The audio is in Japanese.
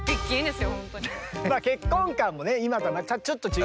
まあ結婚観もね今とはまたちょっと違うし。